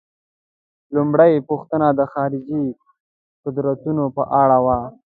لومړۍ پوښتنه د خارجي قدرتونو په اړه وه.